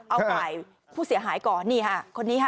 เอาฝ่ายผู้เสียหายก่อนนี่ค่ะคนนี้ค่ะ